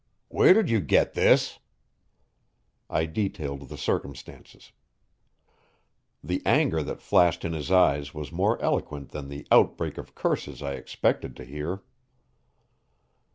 "Where did you get this?" I detailed the circumstances. The anger that flashed in his eyes was more eloquent than the outbreak of curses I expected to hear.